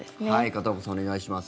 片岡さん、お願いします。